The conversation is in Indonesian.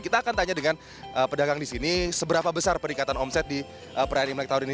kita akan tanya dengan pedagang di sini seberapa besar peningkatan omset di perayaan imlek tahun ini